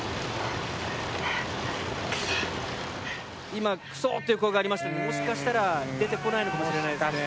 今「くそ！」っていう声がありましたけどもしかしたら出てこないのかもしれないですね。